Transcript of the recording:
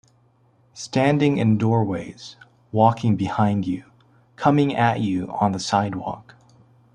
Standing in doorways, walking behind you, coming at you on the sidewalk.